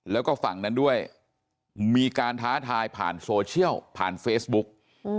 แล้วก็ฝั่งนั้นด้วยมีการท้าทายผ่านโซเชียลผ่านเฟซบุ๊ก